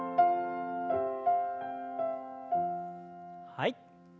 はい。